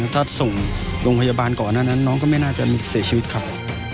ถ้าส่งโรงพยาบาลก่อนหน้านั้นน้องก็ไม่น่าจะเสียชีวิตครับ